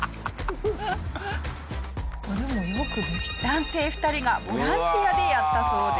男性２人がボランティアでやったそうです。